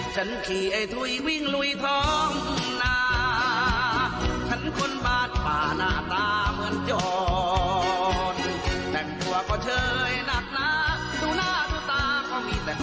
ไม่กระโปรนเธอก็ไม่มา